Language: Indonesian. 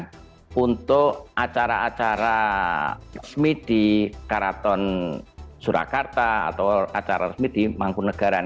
nah untuk acara acara resmi di karaton surakarta atau acara resmi di mangkunagaran